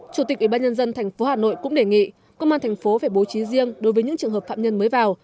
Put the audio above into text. chủ tịch ủy ban nhân dân tp hà nội cũng đề nghị công an thành phố phải bố trí riêng đối với những trường hợp phạm nhân mới vào